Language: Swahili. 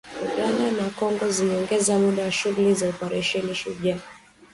Uganda na Kongo zimeongeza muda wa shughuli za Operesheni Shujaa